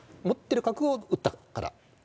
持ってる角を打ったから。